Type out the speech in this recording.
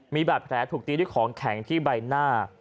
มีบาดแผลถูกตีด้วยของแข็งที่ใบหน้า